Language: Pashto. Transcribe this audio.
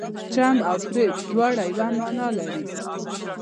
چم او فریب دواړه یوه معنی لري.